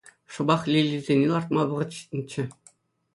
Шӑпах лилисене лартма вӑхӑт ҫитнӗччӗ.